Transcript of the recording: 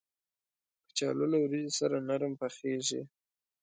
کچالو له وریجو سره نرم پخېږي